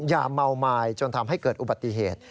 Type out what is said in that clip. อย่าเมาไม้จนทำให้เกิดอุบัติเหตุ